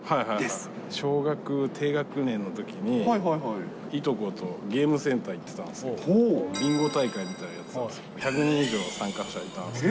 小学低学年のときに、いとことゲームセンター行ってたんですけど、ビンゴ大会みたいなのやってて、１００人以上参加者いたんですけど。